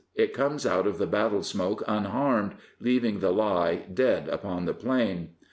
It comes out of the battle smoke unharmed, leaving the Lie dead upon the plain.